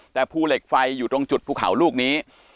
แต่ภูเหล็กไฟอยู่ตรงจุดภูเขาลูกนี้